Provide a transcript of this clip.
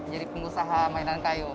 jadi pengusaha mainan kayu